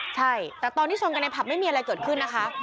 ใช่แต่ตอนที่ชนกันในผับไม่มีอะไรเกิดขึ้นนะคะ